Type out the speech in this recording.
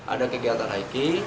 ada kegiatan haiki